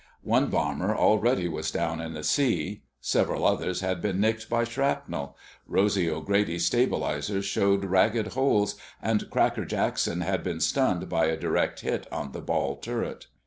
One bomber already was down in the sea. Several others had been nicked by shrapnel. Rosy O'Grady's stabilizer showed ragged holes, and Cracker Jackson had been stunned by a direct hit on the ball turret.